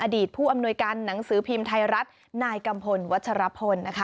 ผู้อำนวยการหนังสือพิมพ์ไทยรัฐนายกัมพลวัชรพลนะคะ